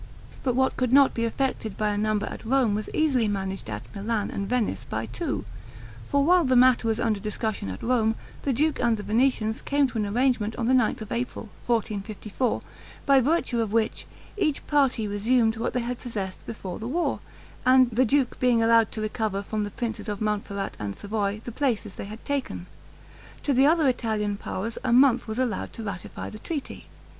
But what could not be effected by a number at Rome was easily managed at Milan and Venice by two; for while the matter was under discussion at Rome, the duke and the Venetians came to an arrangement on the ninth of April, 1454, by virtue of which, each party resumed what they possessed before the war, the duke being allowed to recover from the princes of Montferrat and Savoy the places they had taken. To the other Italian powers a month was allowed to ratify the treaty.